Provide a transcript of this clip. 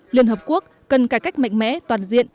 liên hợp quốc cần cải cách mạnh mẽ toàn diện